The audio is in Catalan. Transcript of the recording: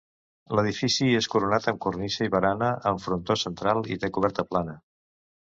L'edifici és coronat amb cornisa i barana amb frontó central i té coberta plana.